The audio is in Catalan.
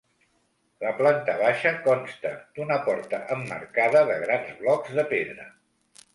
La planta baixa consta d'una porta emmarcada de grans blocs de pedra.